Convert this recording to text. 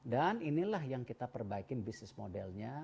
dan inilah yang kita perbaikin bisnis modelnya